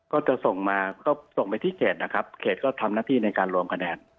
ก็จะส่งมาก็ส่งไปที่เขตนะครับเขตก็ทำหน้าที่ในการลงคะแนน